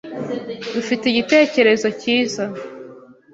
Dufite igitekerezo cyiza